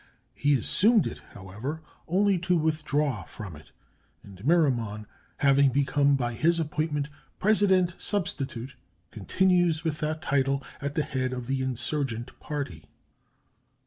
He assumed it, however, only to withdraw from it; and Miramon, having become by his appointment "President substitute," continues with that title at the head of the insurgent party.